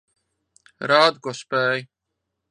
Rādi, ko spēj.